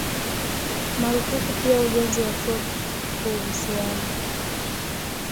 Marufuku pia ujenzi wa Chuo Kikuu Visiwani